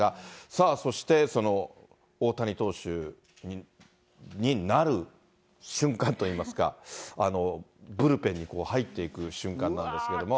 さあ、そして、その大谷投手になる瞬間といいますか、ブルペンに入っていく瞬間なんですけども。